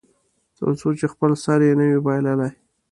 تر څو چې خپل سر یې نه وي بایللی.